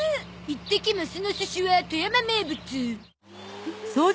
いってきますのすしは富山名物。